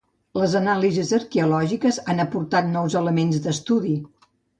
Les anàlisis arqueològiques han aportat nous elements d'estudi.